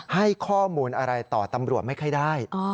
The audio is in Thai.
ให้ข้อมูลอะไรต่อตำรวจไม่ค่อยได้